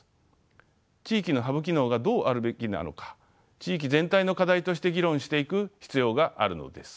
地域のハブ機能がどうあるべきなのか地域全体の課題として議論していく必要があるのです。